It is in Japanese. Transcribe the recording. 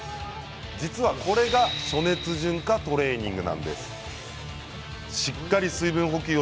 実は、これが暑熱順化のトレーニング。